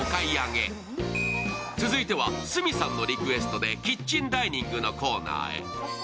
続いては鷲見さんのリクエストでキッチンダイニングのコーナーへ。